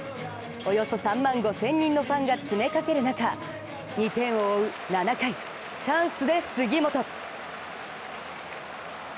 およそ３万５０００人のファンが詰めかける中、２点を追う７回、チャンスで杉本。